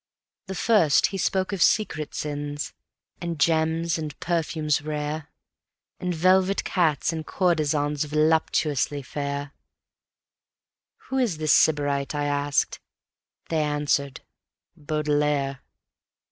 The first he spoke of secret sins, and gems and perfumes rare; And velvet cats and courtesans voluptuously fair: "Who is the Sybarite?" I asked. They answered: "Baudelaire."